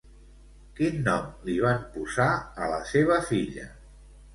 Quin nom li van posar a la seva filla?